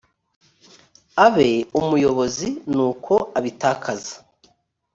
abe umuyobozi n uko abitakaza